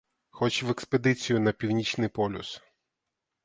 Хоч в експедицію на північний полюс.